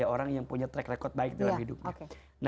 orang yang punya track record baik dalam hidupnya